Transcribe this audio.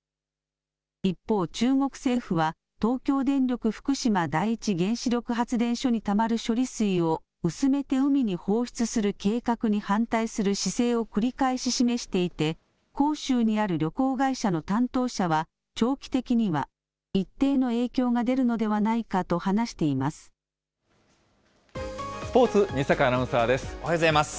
一方、中国政府は、東京電力福島第一原子力発電所にたまる処理水を、薄めて海に放出する計画に反対する姿勢を繰り返し示していて、広州にある旅行会社の担当者は、長期的には一定の影響が出るのでスポーツ、おはようございます。